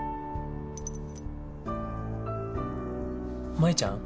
舞ちゃん。